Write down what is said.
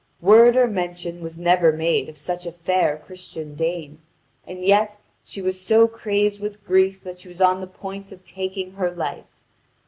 Word or mention was never made of such a fair Christian dame, and yet she was so crazed with grief that she was on the point of taking her life.